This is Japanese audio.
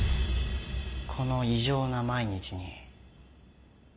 この異常な毎日に。